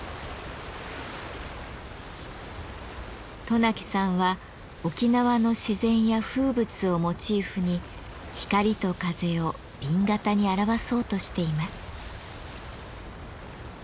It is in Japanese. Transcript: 渡名喜さんは沖縄の自然や風物をモチーフに光と風を紅型に表そうとしています。